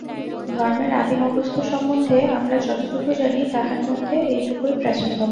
ধর্মের আদিম অবস্থা সম্বন্ধে আমরা যতটুকু জানি, তাহার মধ্যে এইটুকুই প্রাচীনতম।